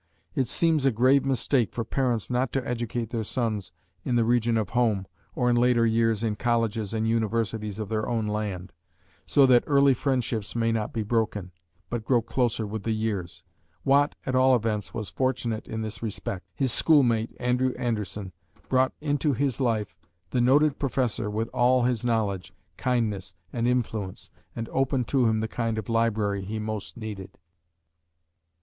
It seems a grave mistake for parents not to educate their sons in the region of home, or in later years in colleges and universities of their own land, so that early friendships may not be broken, but grow closer with the years. Watt at all events was fortunate in this respect. His schoolmate, Andrew Anderson, brought into his life the noted Professor, with all his knowledge, kindness and influence, and opened to him the kind of library he most needed.